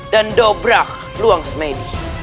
dan dobrak ruang smedih